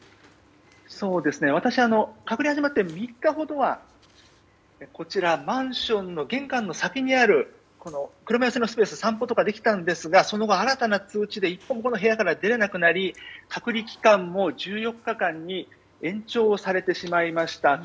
私は隔離が始まって３日ほどはこちら、マンションの玄関の先にある車寄せのスペースを散歩などができたんですがその後、新たな通知で一歩も部屋から出れなくなり隔離期間も１４日間に延長されてしまいました。